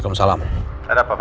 aku salah pindah unaik qolado